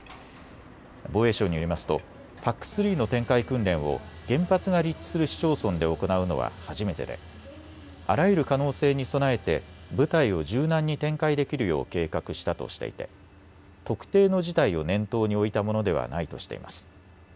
防衛省によりますとＰＡＣ３の展開訓練を原発が立地する市町村で行うのは初めてであらゆる可能性に備えて部隊を柔軟に展開できるよう計画したとしていて特定の事態を念頭に置いたものではないとしています。